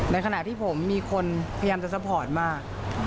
ในขณะที่ผมมีคนพยายามจะซัพพอร์ตมาก